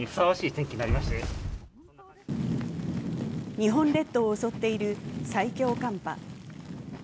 日本列島を襲っている最強寒波。